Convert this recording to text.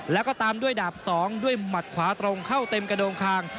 แล้วก็ตามด้วยดาบ๒ด้วยหมัดขวาตรงเข้าเต็มกระโดงคาง